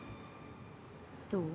どう？